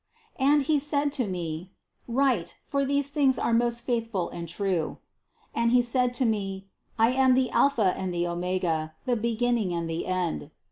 258. And He said to me: "Write, for these things are most faithful and true." And He said to me: "I am the Alpha and the Omega: the beginning and the end."